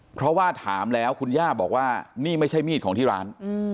เพราะว่าถามแล้วคุณย่าบอกว่านี่ไม่ใช่มีดของที่ร้าน